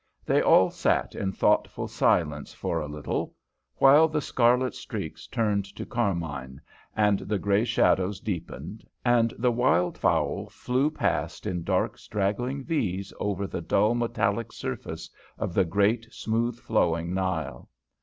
They all sat in thoughtful silence for a little while the scarlet streaks turned to carmine, and the grey shadows deepened, and the wild fowl flew past in dark straggling V's over the dull metallic surface of the great smooth flowing Nile.